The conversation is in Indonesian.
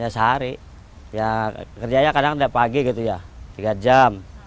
ya sehari ya kerjanya kadang pagi gitu ya tiga jam